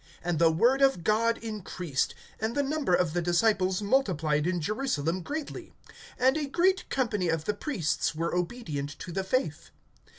(7)And the word of God increased; and the number of the disciples multiplied in Jerusalem greatly; and a great company of the priests were obedient to the faith.